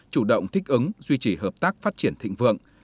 chủ động thích ứng duy trì hợp tác phát triển thịnh vượng